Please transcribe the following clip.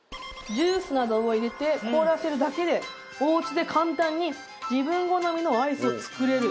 ジュースなどを入れて凍らせるだけでおうちで簡単に自分好みのアイスを作れる。